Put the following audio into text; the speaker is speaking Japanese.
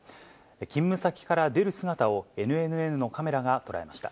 勤務先から出る姿を、ＮＮＮのカメラが捉えました。